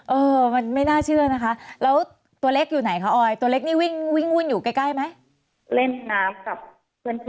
เออมันไม่น่าเชื่อนะคะแล้วตัวเล็กอยู่ไหนคะออยตัวเล็กนี่วิ่งวิ่งวุ่นอยู่ใกล้ใกล้ไหมเล่นน้ำกับเพื่อน